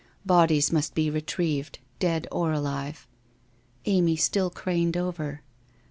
Bodies must be retrieved, dead or alive. Amy still craned over.